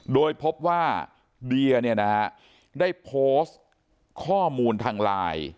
โดยพบว่าเดียได้โพสต์ข้อมูลทางไลน์